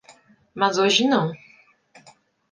Mas hoje não.